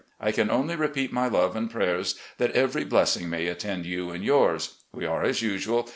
I can only repeat my love and prayers that every blessing may attend you and yours. We are as usual.